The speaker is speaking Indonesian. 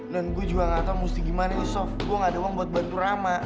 dan saya juga nggak tahu mesti gimana sof saya nggak ada uang untuk bantu rama